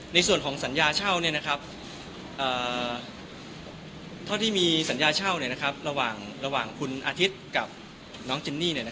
ในส่วนของสัญญาเช่าเท่าที่มีสัญญาเช่าระหว่างคุณอาทิตย์กับน้องจินนี่